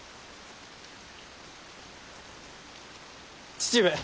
父上。